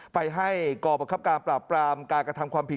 ไปให้กรประคับการปราบปรามการกระทำความผิด